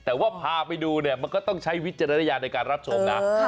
แต่ว่าพาไปดูเนี่ยมันก็ต้องใช้วิจารณญาณในการรับชมนะ